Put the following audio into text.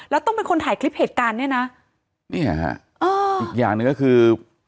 แล้วต้องเป็นคนถ่ายคลิปเหตุการณ์เนี่ยนะเนี่ยฮะอ่าอีกอย่างหนึ่งก็คือ